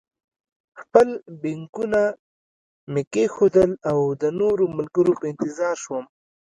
خپل بېکونه مې کېښودل او د نورو ملګرو په انتظار شوم.